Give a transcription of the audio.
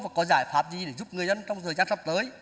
và có giải pháp gì để giúp người dân trong thời gian sắp tới